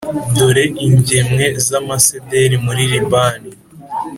dore ingemwe z’amasederi muri Libani,